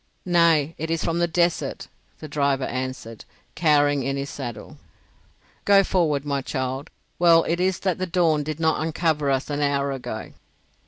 "Nay, it is from the desert," the driver answered, cowering in his saddle. "Go forward, my child! Well it is that the dawn did not uncover us an hour ago."